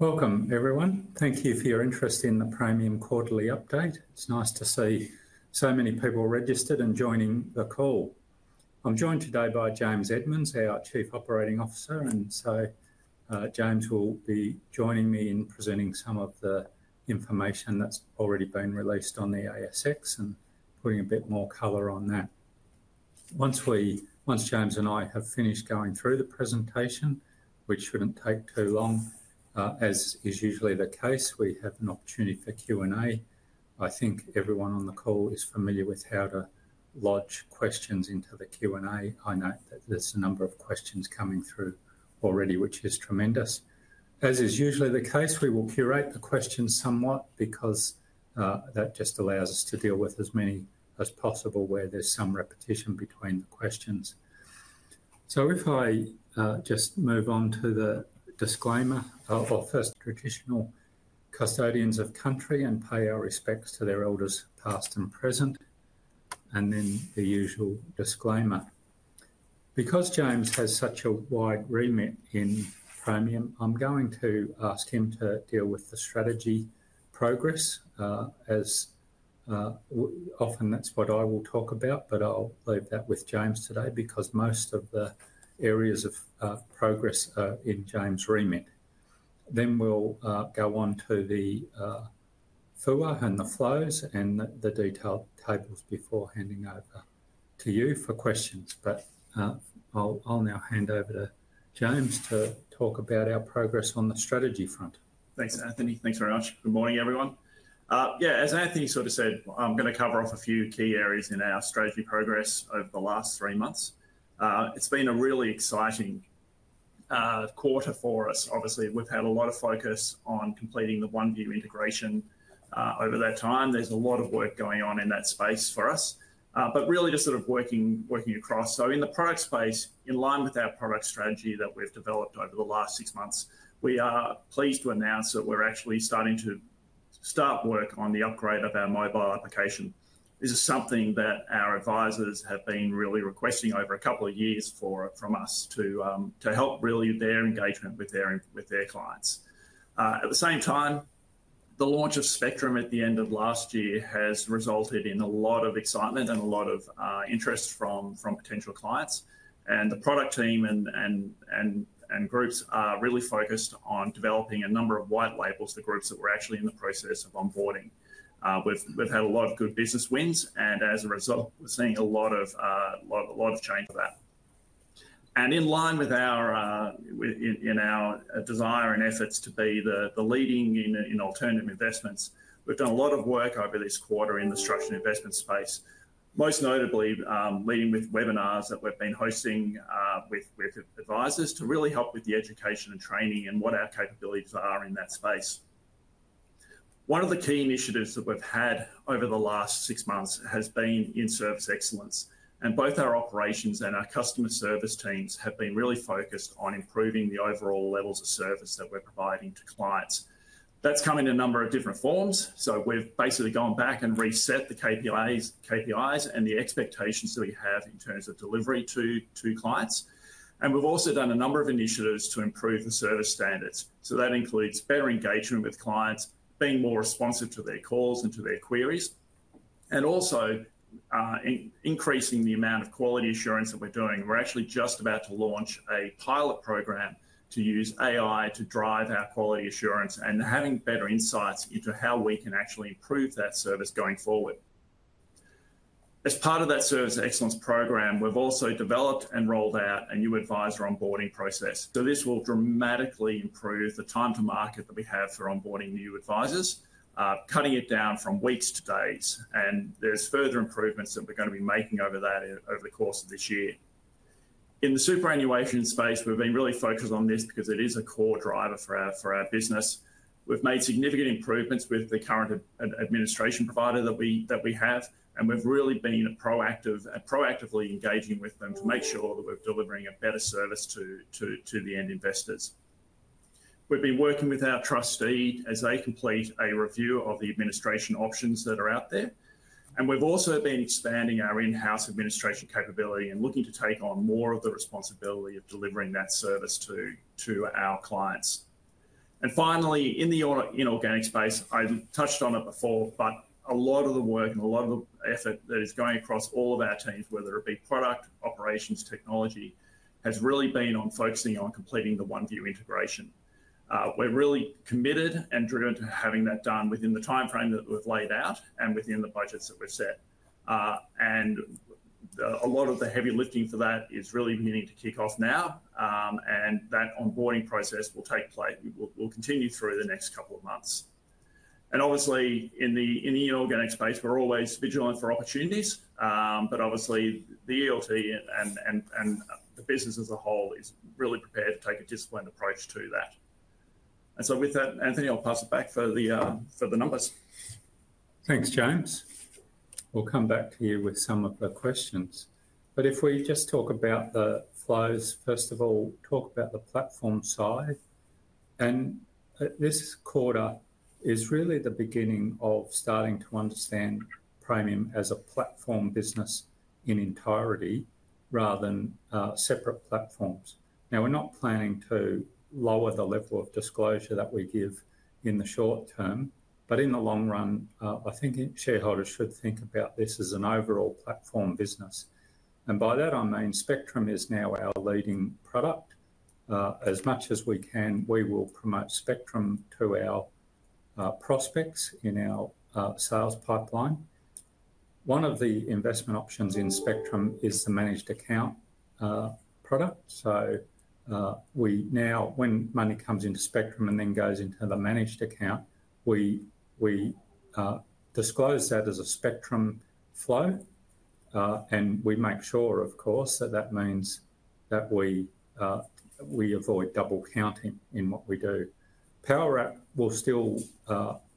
Welcome, everyone. Thank you for your interest in the Praemium Quarterly Update. It's nice to see so many people registered and joining the call. I'm joined today by James Edmonds, our Chief Operating Officer, and so James will be joining me in presenting some of the information that's already been released on the ASX and putting a bit more color on that. Once James and I have finished going through the presentation, which shouldn't take too long, as is usually the case, we have an opportunity for Q&A. I think everyone on the call is familiar with how to lodge questions into the Q&A. I know that there's a number of questions coming through already, which is tremendous. As is usually the case, we will curate the questions somewhat because that just allows us to deal with as many as possible where there's some repetition between the questions. If I just move on to the disclaimer, our first traditional custodians of country and pay our respects to their elders past and present, and then the usual disclaimer. Because James has such a wide remit in Praemium, I'm going to ask him to deal with the strategy progress, as often that's what I will talk about, but I'll leave that with James today because most of the areas of progress are in James' remit. We will go on to the FUA, and the flows, and the detailed tables before handing over to you for questions. I'll now hand over to James to talk about our progress on the strategy front. Thanks, Anthony. Thanks very much. Good morning, everyone. Yeah, as Anthony sort of said, I'm going to cover off a few key areas in our strategy progress over the last three months. It's been a really exciting quarter for us. Obviously, we've had a lot of focus on completing the OneVue integration over that time. There's a lot of work going on in that space for us, really just sort of working across. In the product space, in line with our product strategy that we've developed over the last six months, we are pleased to announce that we're actually starting to start work on the upgrade of our mobile application. This is something that our advisors have been really requesting over a couple of years from us to help really their engagement with their clients. At the same time, the launch of Spectrum at the end of last year has resulted in a lot of excitement and a lot of interest from potential clients. The product team and groups are really focused on developing a number of white labels for groups that were actually in the process of onboarding. We've had a lot of good business wins, and as a result, we're seeing a lot of change for that. In line with our desire and efforts to be the leading in alternative investments, we've done a lot of work over this quarter in the structural investment space, most notably leading with webinars that we've been hosting with advisors to really help with the education and training and what our capabilities are in that space. One of the key initiatives that we've had over the last six months has been in service excellence. Both our operations and our customer service teams have been really focused on improving the overall levels of service that we're providing to clients. That has come in a number of different forms. We have basically gone back and reset the KPIs and the expectations that we have in terms of delivery to clients. We have also done a number of initiatives to improve the service standards. That includes better engagement with clients, being more responsive to their calls and to their queries, and also increasing the amount of quality assurance that we're doing. We're actually just about to launch a pilot program to use AI to drive our quality assurance and having better insights into how we can actually improve that service going forward. As part of that service excellence program, we have also developed and rolled out a new advisor onboarding process. This will dramatically improve the time to market that we have for onboarding new advisors, cutting it down from weeks to days. There are further improvements that we're going to be making over that over the course of this year. In the superannuation space, we've been really focused on this because it is a core driver for our business. We've made significant improvements with the current administration provider that we have, and we've really been proactively engaging with them to make sure that we're delivering a better service to the end investors. We've been working with our trustee as they complete a review of the administration options that are out there. We've also been expanding our in-house administration capability and looking to take on more of the responsibility of delivering that service to our clients. Finally, in the organic space, I touched on it before, but a lot of the work and a lot of the effort that is going across all of our teams, whether it be product, operations, technology, has really been on focusing on completing the OneVue integration. We are really committed and driven to having that done within the timeframe that we have laid out and within the budgets that we have set. A lot of the heavy lifting for that is really beginning to kick off now, and that onboarding process will continue through the next couple of months. Obviously, in the inorganic space, we are always vigilant for opportunities, but obviously, the ELT and the business as a whole is really prepared to take a disciplined approach to that. With that, Anthony, I will pass it back for the numbers. Thanks, James. We'll come back to you with some of the questions. If we just talk about the flows, first of all, talk about the platform side. This quarter is really the beginning of starting to understand Praemium as a platform business in entirety rather than separate platforms. We are not planning to lower the level of disclosure that we give in the short term, but in the long run, I think shareholders should think about this as an overall platform business. By that, I mean Spectrum is now our leading product. As much as we can, we will promote Spectrum to our prospects in our sales pipeline. One of the investment options in Spectrum is the managed account product. Now, when money comes into Spectrum and then goes into the managed account, we disclose that as a Spectrum flow. We make sure, of course, that that means that we avoid double counting in what we do. Power Up will still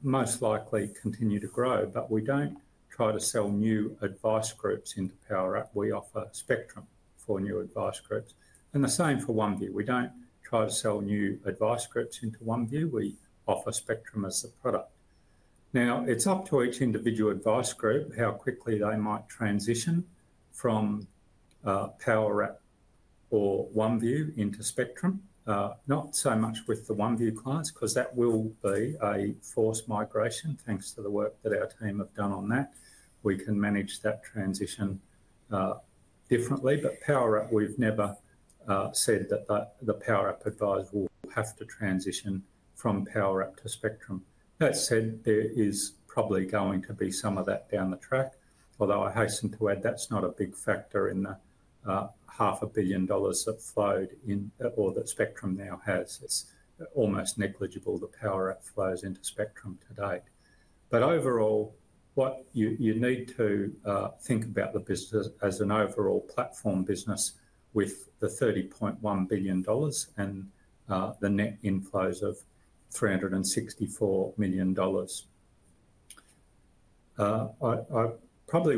most likely continue to grow, but we do not try to sell new advice groups into Power Up. We offer Spectrum for new advice groups. The same for OneVue. We do not try to sell new advice groups into OneVue. We offer Spectrum as a product. Now, it is up to each individual advice group how quickly they might transition from Power Up or OneVue into Spectrum. Not so much with the OneVue clients because that will be a forced migration thanks to the work that our team have done on that. We can manage that transition differently. Power Up, we have never said that the Power Up advisor will have to transition from Power Up to Spectrum. That said, there is probably going to be some of that down the track, although I hasten to add that's not a big factor in the half a billion dollars that flowed in or that Spectrum now has. It's almost negligible the Power Up flows into Spectrum to date. Overall, what you need to think about the business as an overall platform business with the $30.1 billion and the net inflows of $364 million. I probably won't cover anything else on that. I think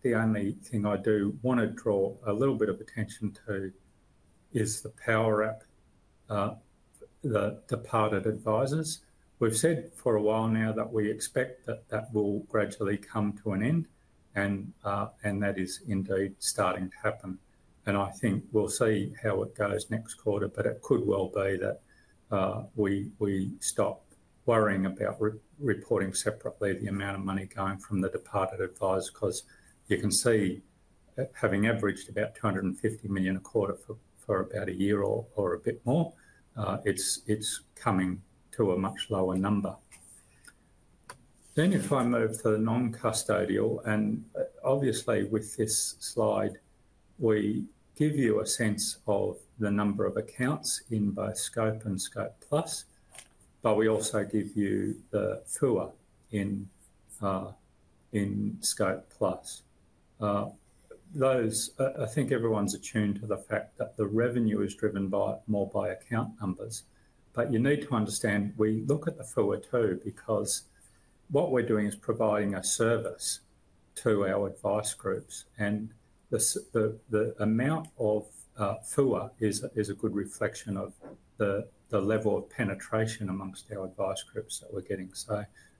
the only thing I do want to draw a little bit of attention to is the Power Up departed advisors. We've said for a while now that we expect that that will gradually come to an end, and that is indeed starting to happen. I think we'll see how it goes next quarter, but it could well be that we stop worrying about reporting separately the amount of money going from the departed advisors because you can see having averaged about 250 million a quarter for about a year or a bit more, it's coming to a much lower number. If I move to the non-custodial, and obviously with this slide, we give you a sense of the number of accounts in both Scope and Scope Plus, but we also give you the FUA. In Scope Plus, I think everyone's attuned to the fact that the revenue is driven more by account numbers. You need to understand we look at the FUA, too, because what we're doing is providing a service to our advice groups. The amount of FUA is a good reflection of the level of penetration amongst our advice groups that we're getting.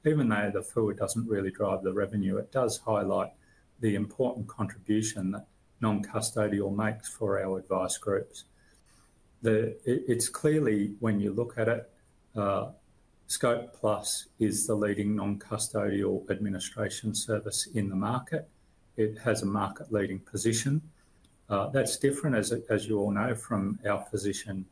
Even though the FUA does not really drive the revenue, it does highlight the important contribution that non-custodial makes for our advice groups. It is clearly, when you look at it, Scope Plus is the leading non-custodial administration service in the market. It has a market-leading position. That is different, as you all know, from our position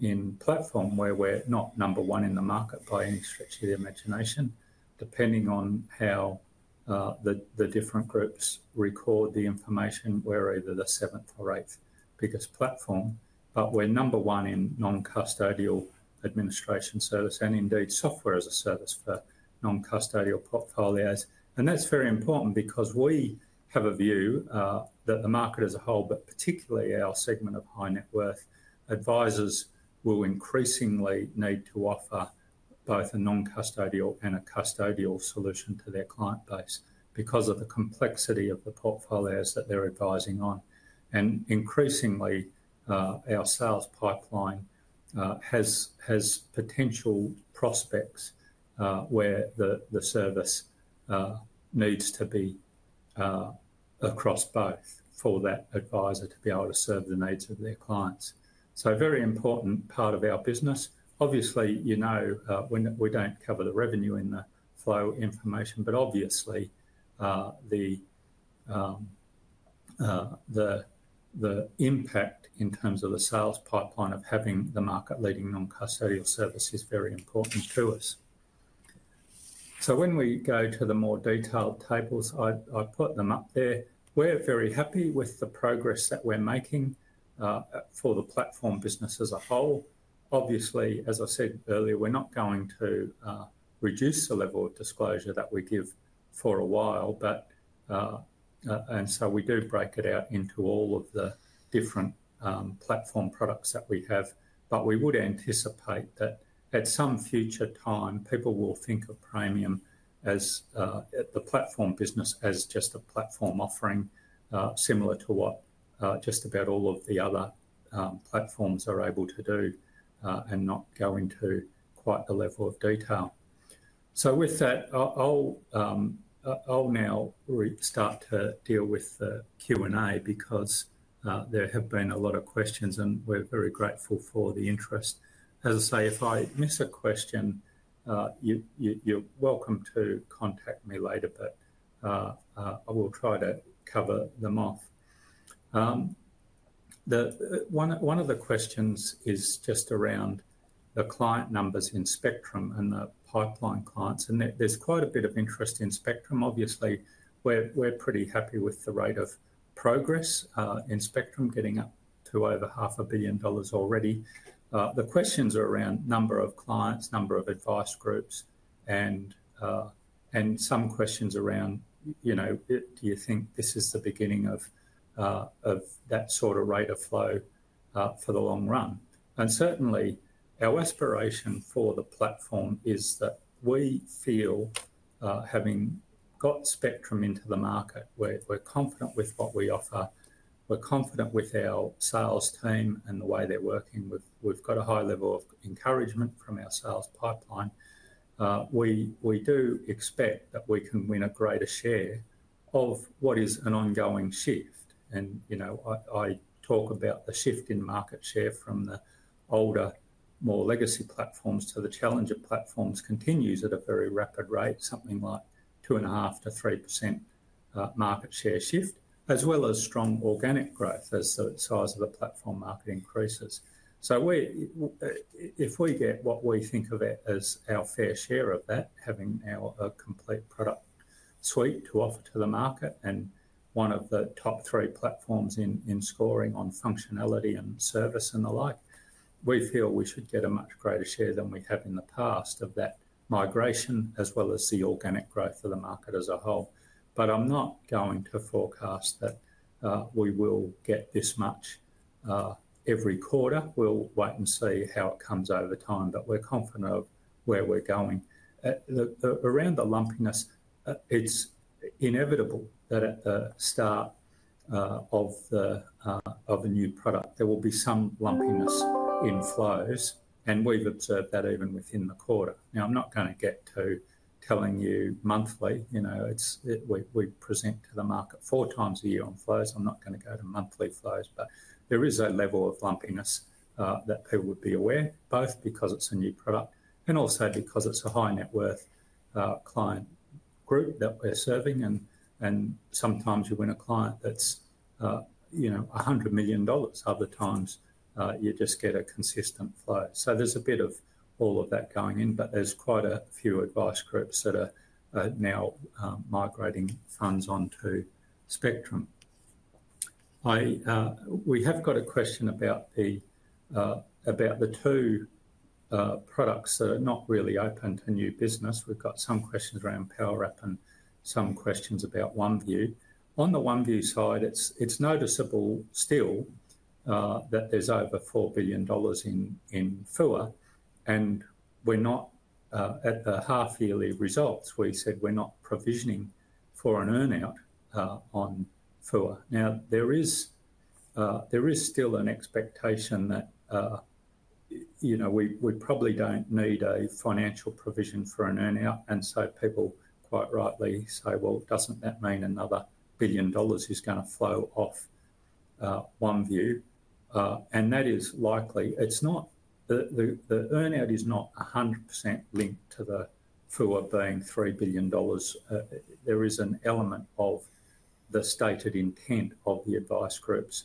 in platform, where we are not number one in the market by any stretch of the imagination. Depending on how the different groups record the information, we are either the seventh or eighth biggest platform. We are number one in non-custodial administration service and indeed software as a service for non-custodial portfolios. That is very important because we have a view that the market as a whole, but particularly our segment of high net worth advisors, will increasingly need to offer both a non-custodial and a custodial solution to their client base because of the complexity of the portfolios that they are advising on. Increasingly, our sales pipeline has potential prospects where the service needs to be across both for that advisor to be able to serve the needs of their clients. Very important part of our business. Obviously, you know we do not cover the revenue in the flow information, but obviously, the impact in terms of the sales pipeline of having the market-leading non-custodial service is very important to us. When we go to the more detailed tables, I put them up there. We are very happy with the progress that we are making for the platform business as a whole. Obviously, as I said earlier, we're not going to reduce the level of disclosure that we give for a while. We do break it out into all of the different platform products that we have. We would anticipate that at some future time, people will think of Praemium as the platform business as just a platform offering similar to what just about all of the other platforms are able to do and not go into quite the level of detail. With that, I'll now start to deal with the Q&A because there have been a lot of questions, and we're very grateful for the interest. As I say, if I miss a question, you're welcome to contact me later, but I will try to cover them off. One of the questions is just around the client numbers in Spectrum and the pipeline clients. There is quite a bit of interest in Spectrum. Obviously, we're pretty happy with the rate of progress in Spectrum getting up to over half a billion dollars already. The questions are around number of clients, number of advice groups, and some questions around, do you think this is the beginning of that sort of rate of flow for the long run? Certainly, our aspiration for the platform is that we feel having got Spectrum into the market, we're confident with what we offer, we're confident with our sales team and the way they're working. We've got a high level of encouragement from our sales pipeline. We do expect that we can win a greater share of what is an ongoing shift. I talk about the shift in market share from the older, more legacy platforms to the challenger platforms continues at a very rapid rate, something like 2.5% to 3% market share shift, as well as strong organic growth as the size of the platform market increases. If we get what we think of as our fair share of that, having now a complete product suite to offer to the market and one of the top three platforms in scoring on functionality and service and the like, we feel we should get a much greater share than we have in the past of that migration as well as the organic growth of the market as a whole. I am not going to forecast that we will get this much every quarter. We will wait and see how it comes over time, but we are confident of where we are going. Around the lumpiness, it's inevitable that at the start of a new product, there will be some lumpiness in flows, and we've observed that even within the quarter. Now, I'm not going to get to telling you monthly. We present to the market four times a year on flows. I'm not going to go to monthly flows, but there is a level of lumpiness that people would be aware, both because it's a new product and also because it's a high net worth client group that we're serving. Sometimes you win a client that's $100 million. Other times, you just get a consistent flow. There's a bit of all of that going in, but there's quite a few advice groups that are now migrating funds onto Spectrum. We have got a question about the two products that are not really open to new business. We've got some questions around Power Up and some questions about OneVue. On the OneVue side, it's noticeable still that there's over four billion dollars in FUA. At the half-yearly results, we said we're not provisioning for an earnout on FUA. There is still an expectation that we probably don't need a financial provision for an earnout. People quite rightly say, "Doesn't that mean another billion dollars is going to flow off OneVue?" That is likely. The earnout is not 100% linked to the FUA being three billion dollars. There is an element of the stated intent of the advice groups.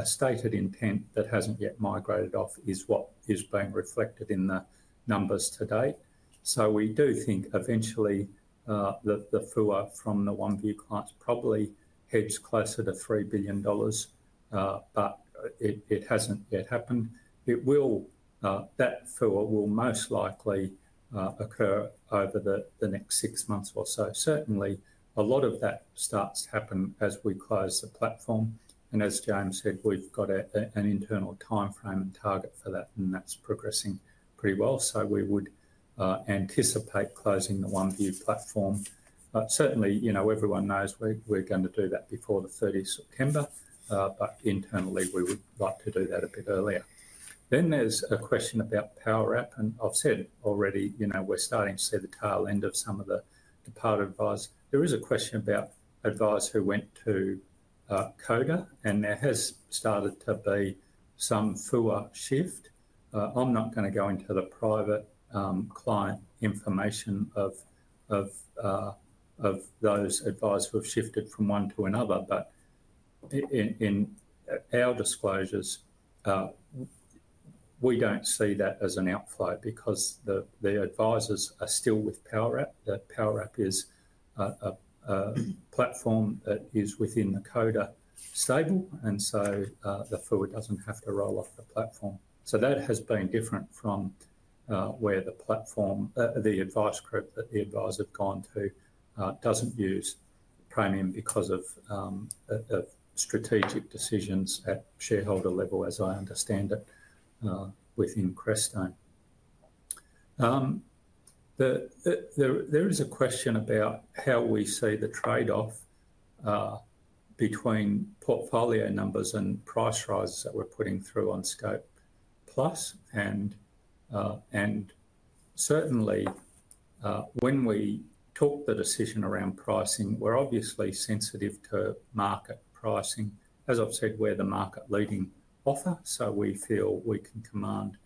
A stated intent that hasn't yet migrated off is what is being reflected in the numbers to date. We do think eventually the FUA from the OneVue clients probably heads closer to three billion dollars, but it hasn't yet happened. That FUA will most likely occur over the next six months or so. Certainly, a lot of that starts to happen as we close the platform. As James said, we've got an internal timeframe and target for that, and that's progressing pretty well. We would anticipate closing the OneVue platform. Certainly, everyone knows we're going to do that before the 30th of September, but internally, we would like to do that a bit earlier. There is a question about Power Up. I've said already we're starting to see the tail end of some of the departed advisors. There is a question about advisors who went to CODA, and there has started to be some FUA shift. I'm not going to go into the private client information of those advisors who have shifted from one to another, but in our disclosures, we don't see that as an outflow because the advisors are still with Power Up. Power Up is a platform that is within the CODA stable, and so the FUA doesn't have to roll off the platform. That has been different from where the platform, the advice group that the advisors have gone to, doesn't use Praemium because of strategic decisions at shareholder level, as I understand it, within Crestone. There is a question about how we see the trade-off between portfolio numbers and price rises that we're putting through on Scope Plus. Certainly, when we took the decision around pricing, we're obviously sensitive to market pricing. As I've said, we're the market-leading offer, so we feel we can command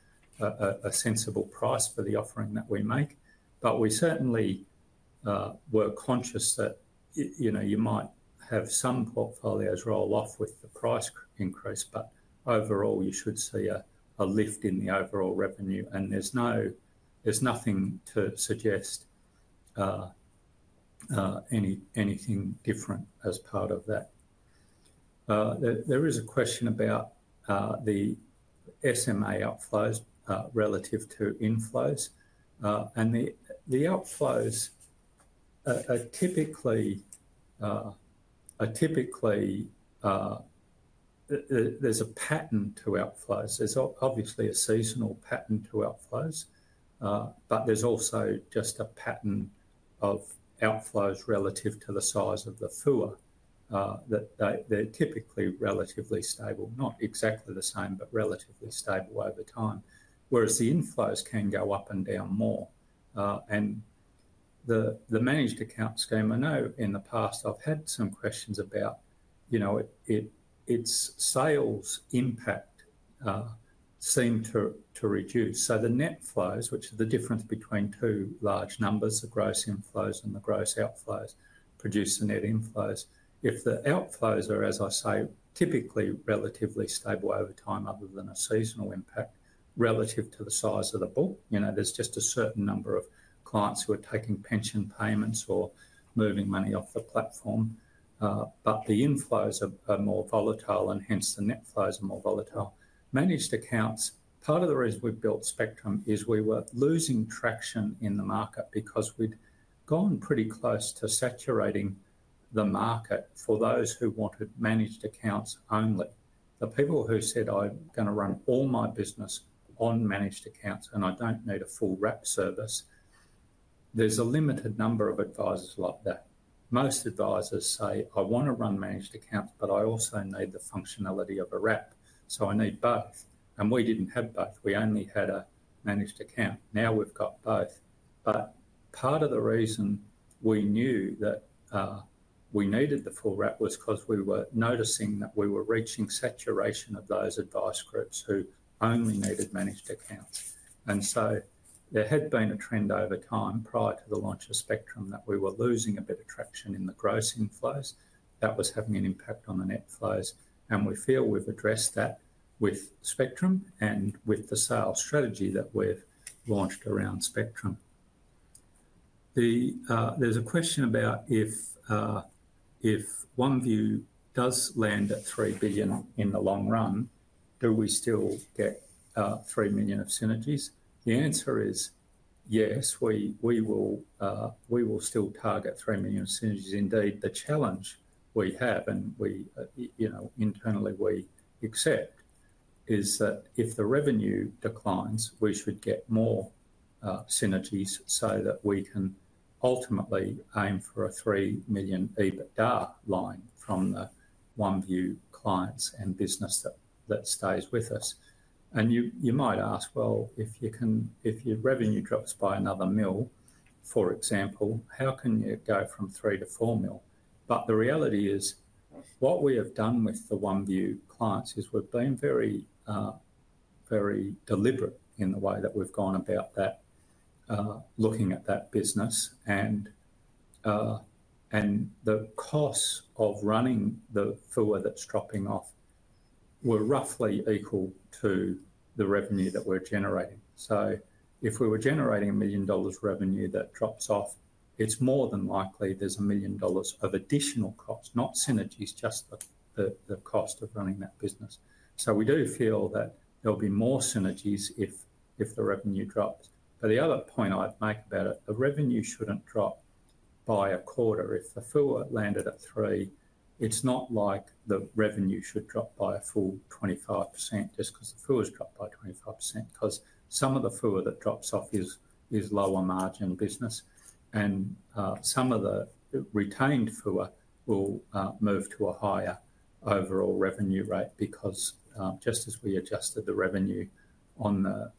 a sensible price for the offering that we make. We certainly were conscious that you might have some portfolios roll off with the price increase, but overall, you should see a lift in the overall revenue. There's nothing to suggest anything different as part of that. There is a question about the SMA outflows relative to inflows. The outflows are typically a pattern to outflows. There's obviously a seasonal pattern to outflows, but there's also just a pattern of outflows relative to the size of the FUA. They're typically relatively stable, not exactly the same, but relatively stable over time. Whereas the inflows can go up and down more. The managed account scheme, I know in the past I've had some questions about its sales impact seem to reduce. The net flows, which are the difference between two large numbers, the gross inflows and the gross outflows, produce the net inflows. If the outflows are, as I say, typically relatively stable over time, other than a seasonal impact relative to the size of the book, there's just a certain number of clients who are taking pension payments or moving money off the platform. The inflows are more volatile, and hence the net flows are more volatile. Managed accounts, part of the reason we built Spectrum is we were losing traction in the market because we'd gone pretty close to saturating the market for those who wanted managed accounts only. The people who said, "I'm going to run all my business on managed accounts and I don't need a full wrap service," there's a limited number of advisors like that. Most advisors say, "I want to run managed accounts, but I also need the functionality of a wrap. So I need both." We did not have both. We only had a managed account. Now we have both. Part of the reason we knew that we needed the full wrap was because we were noticing that we were reaching saturation of those advice groups who only needed managed accounts. There had been a trend over time prior to the launch of Spectrum that we were losing a bit of traction in the gross inflows. That was having an impact on the net flows. We feel we have addressed that with Spectrum and with the sales strategy that we have launched around Spectrum. There is a question about if OneVue does land at three billion in the long run, do we still get three million of synergies? The answer is yes. We will still target three million of synergies. Indeed, the challenge we have and internally we accept is that if the revenue declines, we should get more synergies so that we can ultimately aim for a three million EBITDA line from the OneVue clients and business that stays with us. You might ask, "Well, if your revenue drops by another million, for example, how can you go from three to four million?" The reality is what we have done with the OneVue clients is we've been very deliberate in the way that we've gone about looking at that business. The costs of running the FUA that's dropping off were roughly equal to the revenue that we're generating. If we were generating $1 million revenue that drops off, it's more than likely there's $1 million of additional costs, not synergies, just the cost of running that business. We do feel that there'll be more synergies if the revenue drops. The other point I'd make about it, the revenue shouldn't drop by a quarter. If the FUA landed at three, it's not like the revenue should drop by a full 25% just because the FUA's dropped by 25%, because some of the FUA that drops off is lower margin business. Some of the retained FUA will move to a higher overall revenue rate because just as we adjusted the revenue on the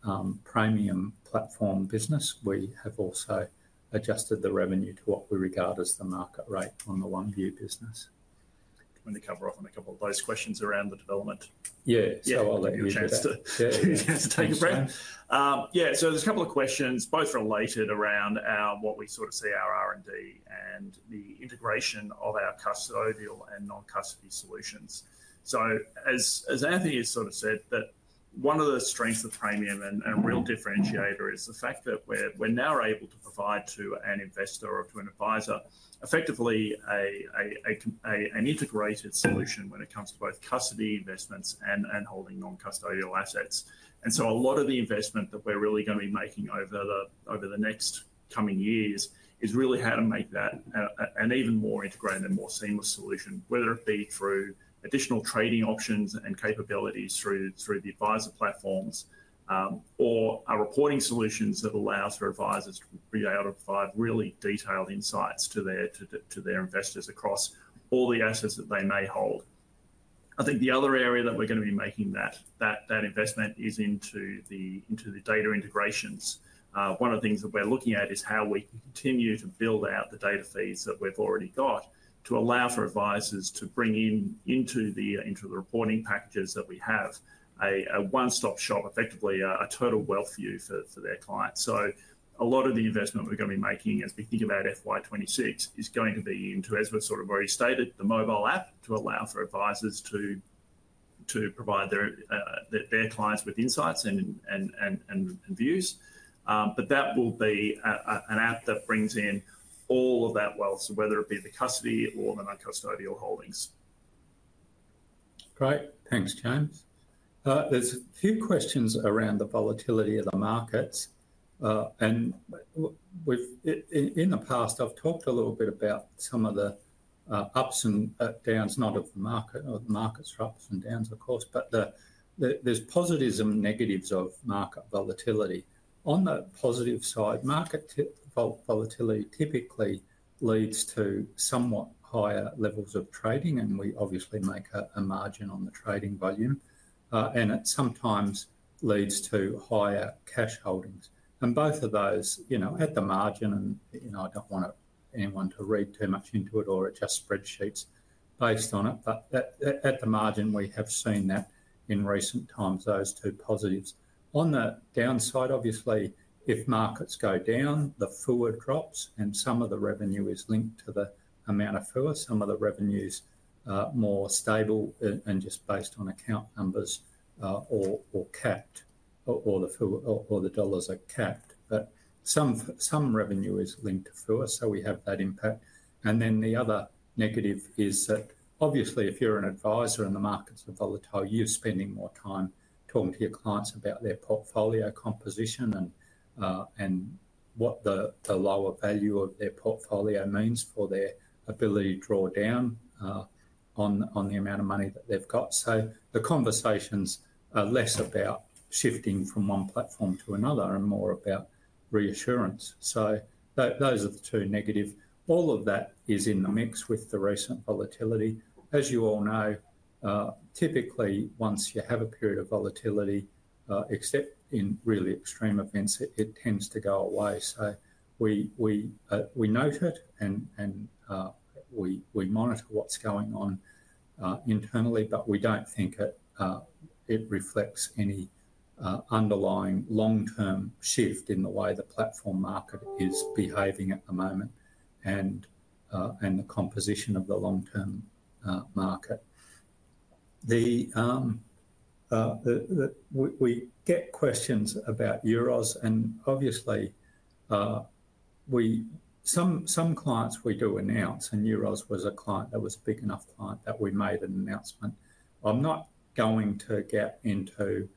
Praemium platform business, we have also adjusted the revenue to what we regard as the market rate on the OneVue business. Do you want to cover off on a couple of those questions around the development? Yeah, So I'll let you take a breath. Yeah, so there's a couple of questions both related around what we sort of see our R&D and the integration of our custodial and non-custody solutions. As Anthony has sort of said, one of the strengths of Praemium and a real differentiator is the fact that we're now able to provide to an investor or to an advisor effectively an integrated solution when it comes to both custody investments and holding non-custodial assets. A lot of the investment that we're really going to be making over the next coming years is really how to make that an even more integrated and more seamless solution, whether it be through additional trading options and capabilities through the advisor platforms or reporting solutions that allow for advisors to be able to provide really detailed insights to their investors across all the assets that they may hold. I think the other area that we're going to be making that investment is into the data integrations. One of the things that we're looking at is how we can continue to build out the data feeds that we've already got to allow for advisors to bring into the reporting packages that we have a one-stop shop, effectively a total wealth view for their clients. A lot of the investment we're going to be making as we think about FY26 is going to be into, as we've sort of already stated, the mobile app to allow for advisors to provide their clients with insights and views. That will be an app that brings in all of that wealth, whether it be the custody or the non-custodial holdings. Great. Thanks, James. There's a few questions around the volatility of the markets. In the past, I've talked a little bit about some of the ups and downs, not of the market. The markets are ups and downs, of course, but there's positives and negatives of market volatility. On the positive side, market volatility typically leads to somewhat higher levels of trading, and we obviously make a margin on the trading volume. It sometimes leads to higher cash holdings. Both of those, at the margin, and I don't want anyone to read too much into it or adjust spreadsheets based on it, but at the margin, we have seen that in recent times, those two positives. On the downside, obviously, if markets go down, the FUA drops, and some of the revenue is linked to the amount of FUA. Some of the revenue is more stable and just based on account numbers or capped or the dollars are capped. Some revenue is linked to FUA, so we have that impact. The other negative is that obviously, if you're an advisor and the markets are volatile, you're spending more time talking to your clients about their portfolio composition and what the lower value of their portfolio means for their ability to draw down on the amount of money that they've got. The conversations are less about shifting from one platform to another and more about reassurance. Those are the two negatives. All of that is in the mix with the recent volatility. As you all know, typically, once you have a period of volatility, except in really extreme events, it tends to go away. We note it, and we monitor what's going on internally, but we do not think it reflects any underlying long-term shift in the way the platform market is behaving at the moment and the composition of the long-term market. We get questions about Euros, and obviously, some clients we do announce, and Euros was a client that was a big enough client that we made an announcement. I'm not going to get into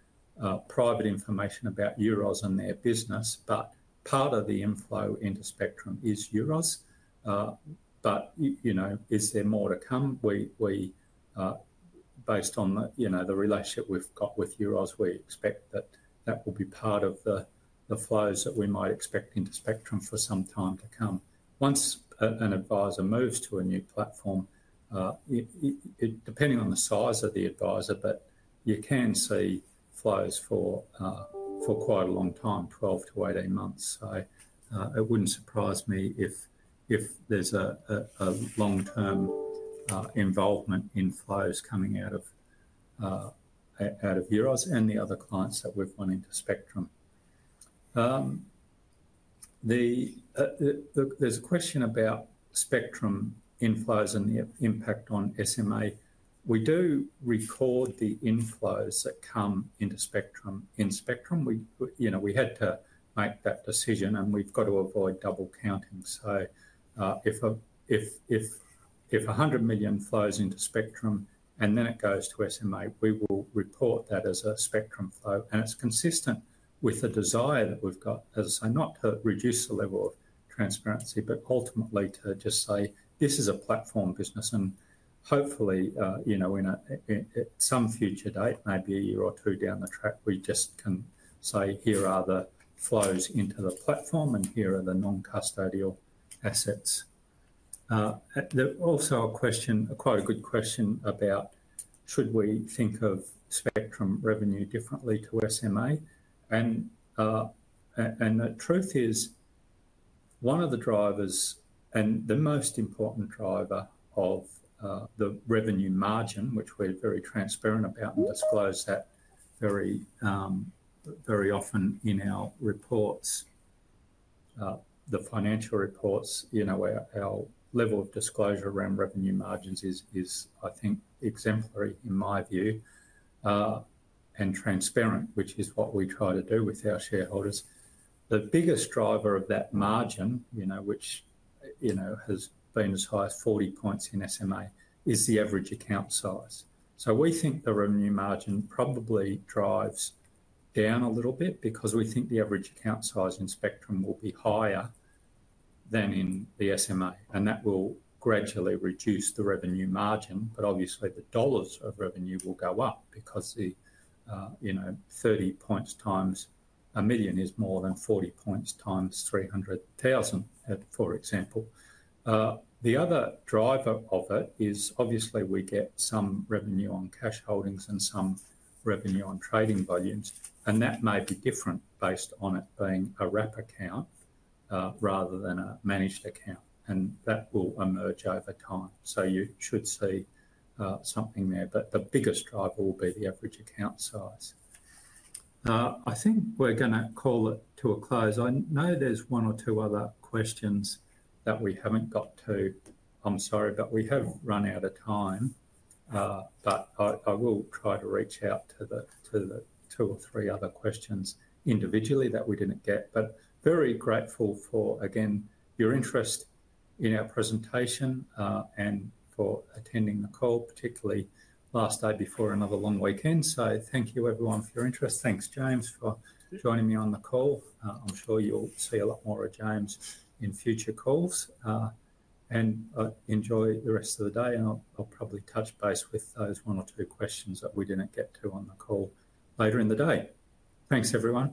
private information about Euros and their business, but part of the inflow into Spectrum is Euros. Is there more to come? Based on the relationship we've got with Euros, we expect that that will be part of the flows that we might expect into Spectrum for some time to come. Once an advisor moves to a new platform, depending on the size of the advisor, but you can see flows for quite a long time, 12-18 months. It wouldn't surprise me if there's a long-term involvement in flows coming out of Euros and the other clients that we've run into Spectrum. There's a question about Spectrum inflows and the impact on SMA. We do record the inflows that come into Spectrum. In Spectrum, we had to make that decision, and we've got to avoid double counting. If a hundred million flows into Spectrum and then it goes to SMA, we will report that as a Spectrum flow. It is consistent with the desire that we've got, as I say, not to reduce the level of transparency, but ultimately to just say, "This is a platform business." Hopefully, at some future date, maybe a year or two down the track, we just can say, "Here are the flows into the platform, and here are the non-custodial assets." There is also a question, quite a good question, about should we think of Spectrum revenue differently to SMA? The truth is one of the drivers and the most important driver of the revenue margin, which we're very transparent about and disclose that very often in our reports, the financial reports, our level of disclosure around revenue margins is, I think, exemplary in my view and transparent, which is what we try to do with our shareholders. The biggest driver of that margin, which has been as high as 40 points in SMA, is the average account size. We think the revenue margin probably drives down a little bit because we think the average account size in Spectrum will be higher than in the SMA. That will gradually reduce the revenue margin, but obviously, the dollars of revenue will go up because 30 points times million is more than 40 points times 300,000, for example. The other driver of it is we get some revenue on cash holdings and some revenue on trading volumes, and that may be different based on it being a wrap account rather than a managed account. That will emerge over time. You should see something there. The biggest driver will be the average account size. I think we're going to call it to a close. I know there's one or two other questions that we haven't got to. I'm sorry, but we have run out of time. I will try to reach out to the two or three other questions individually that we didn't get. Very grateful for, again, your interest in our presentation and for attending the call, particularly last day before another long weekend. Thank you, everyone, for your interest. Thanks, James, for joining me on the call. I'm sure you'll see a lot more of James in future calls. Enjoy the rest of the day. I'll probably touch base with those one or two questions that we didn't get to on the call later in the day. Thanks, everyone.